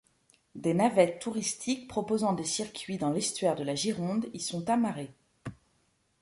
Des navettes touristiques proposant des circuits dans l'estuaire de la Gironde y sont amarrées.